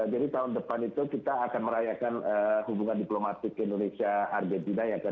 jadi tahun depan itu kita akan merayakan hubungan diplomatik indonesia argentina yang ke enam puluh lima